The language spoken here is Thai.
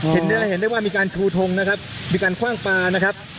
เห็นได้ว่ามีการชูทงนะครับมีการคว่างปลานะครับ